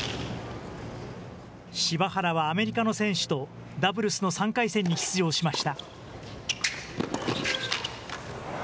柴原はアメリカの選手とダブルスの３回戦に出場しました。